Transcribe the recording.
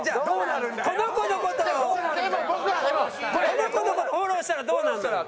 この子の事フォローしたらどうなるの？